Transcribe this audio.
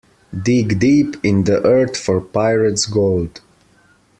Dig deep in the earth for pirate's gold.